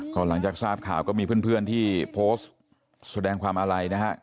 ก็หลังจากทราบข่าวก็มีเพื่อนที่โพสต์แสดงความอาลัยนะฮะ